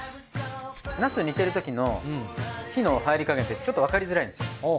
ナス煮てるときの火の入り加減ってちょっとわかりづらいんですよ。